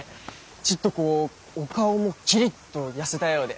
ちっとこうお顔もキリッと痩せたようで。